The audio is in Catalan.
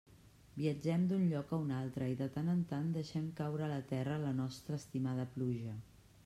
Viatgem d'un lloc a un altre, i de tant en tant deixem caure a la terra la nostra estimada pluja.